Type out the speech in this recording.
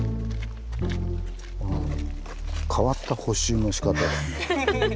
変わった補修のしかただね。